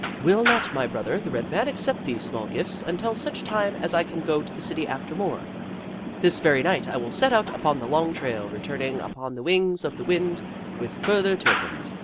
Will not my brother, the Red Man, accept these small gifts until such time as I can go to the city after more ? This very night I will set out upon the long trail, returning upon the wings of the wind with further tokens.